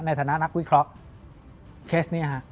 ในฐานะนักวิเคราะห์เคสนี้ฮะ